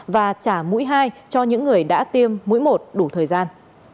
và trả mũi hai cho những người đã tiêm mũi một đủ thời gian